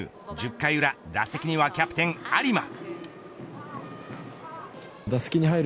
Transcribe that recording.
１０回裏打席にはキャプテン有馬。